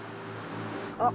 あっ！